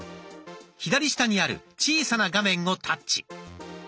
左下にある小さな画面をタッチ。